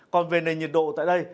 còn về nền nhiệt độ tại đây